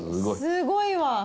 すごいわ！